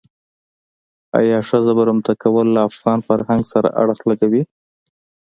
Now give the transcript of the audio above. آیا ښځه برمته کول له افغان فرهنګ سره اړخ لګوي.